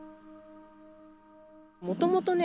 もともとね